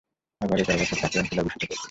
Harvard পরের বছর তাকে অংশীদার ভূষিত করেছিলো।